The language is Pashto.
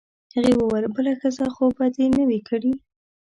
هغې وویل: بله ښځه خو به دي نه وي کړې؟